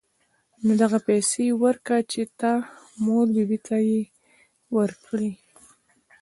نو دغه پيسې ورکه چې د تا مور بي بي ته يې ورکي.